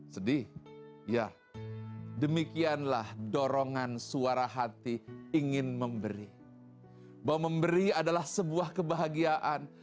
sedih ya demikianlah dorongan suara hati ingin memberi bahwa memberi adalah sebuah kebahagiaan